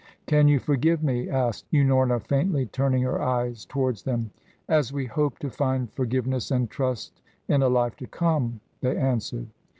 "Can you forgive me?" asked Unorna faintly, turning her eyes towards them. "As we hope to find forgiveness and trust in a life to come," they answered.